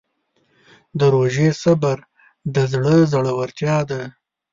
د روژې صبر د زړه زړورتیا ده.